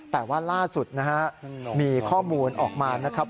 แต่ว่าล่าสุดนะฮะมีข้อมูลออกมานะครับ